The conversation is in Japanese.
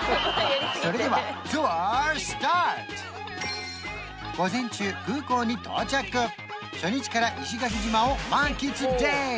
それでは午前中空港に到着初日から石垣島を満喫